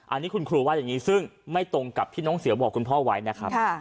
อันนี้คุณครูว่าอย่างนี้ซึ่งไม่ตรงกับที่น้องเสือบอกคุณพ่อไว้นะครับ